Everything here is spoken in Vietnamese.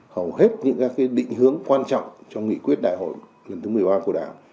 hầu hết những các định hướng quan trọng trong nghị quyết đại hội lần thứ một mươi ba của đảng